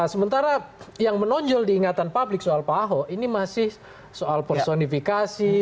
sementara yang menonjol diingatan publik soal pak ahok ini masih soal personifikasi